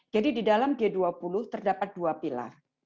jadi di dalam g dua puluh terdapat dua pilar